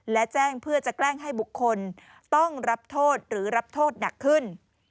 และแจ้งเพื่อจะแกล้งให้บุคคลต้องรับโทษหรือรับโทษหนักขึ้น